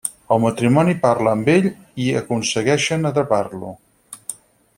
El matrimoni parla amb ell i aconsegueixen atrapar-lo.